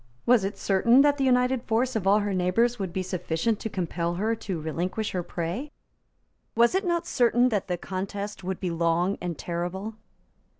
Was it certain that the united force of all her neighbours would be sufficient to compel her to relinquish her prey? Was it not certain that the contest would be long and terrible?